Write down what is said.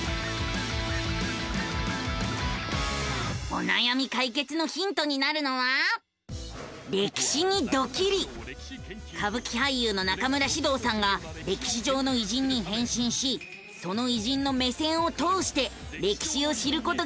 おなやみ解決のヒントになるのは歌舞伎俳優の中村獅童さんが歴史上の偉人に変身しその偉人の目線を通して歴史を知ることができる番組なのさ！